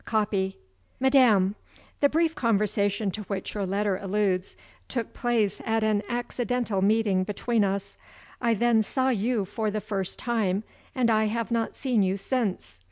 (Copy.) "MADAM The brief conversation to which your letter alludes, took place at an accidental meeting between us. I then saw you for the first time, and I have not seen you since.